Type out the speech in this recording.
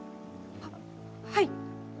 はっはい。